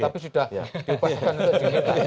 tapi sudah diupasakan untuk diminta